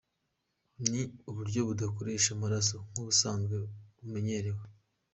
Ni uburyo budakoresha amaraso nk’ ubusanzwe bumenyerewe.